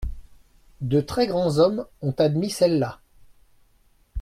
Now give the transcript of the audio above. De très grands hommes ont admis celle-là.